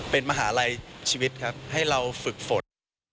เป็นมหาลัยชีวิตครับให้เราฝึกฝน